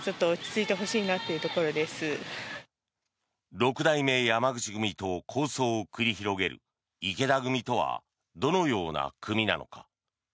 六代目山口組と抗争を繰り広げる池田組とはどのような組なのか。